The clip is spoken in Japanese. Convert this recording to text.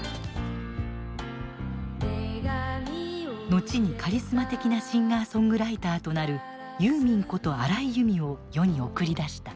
後にカリスマ的なシンガーソングライターとなるユーミンこと荒井由実を世に送り出した。